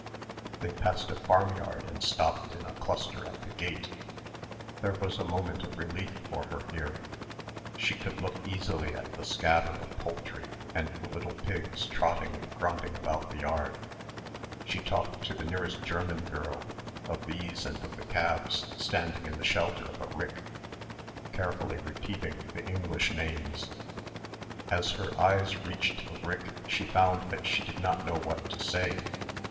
They passed a farmyard and stopped in a cluster at the gate. There was a moment of relief for her here. She could look easily at the scatter of poultry and the little pigs trotting and grunting about the yard. She talked to the nearest German girl, of these and of the calves standing in the shelter of a rick, carefully repeating the English names. As her eyes reached the rick she found that she did not know what to say.